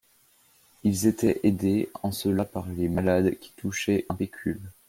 Ils étaient aidés en cela par les malades qui touchaient un pécule.